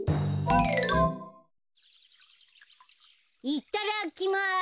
いっただきます！